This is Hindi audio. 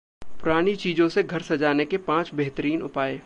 पुरानी चीजों से घर सजाने के पांच बेहतरीन उपाय